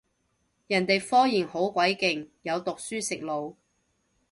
人哋科研好鬼勁，有讀書食腦